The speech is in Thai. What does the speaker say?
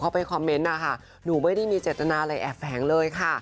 ไปคอมเมนต์นะคะหนูไม่ได้มีเจตนาอะไรแอบแฝงเลยค่ะ